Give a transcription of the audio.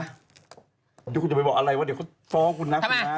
เดี๋ยวคุณจะไปบอกอะไรว่าเดี๋ยวเขาฟ้องคุณนะคุณนะ